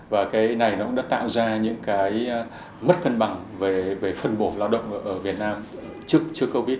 và cái này nó cũng đã tạo ra những cái mất cân bằng về phân bổ lao động ở việt nam trước covid